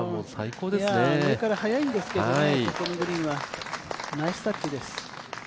上から速いんですけれどもね、ここのグリーンは、ナイスタッチです。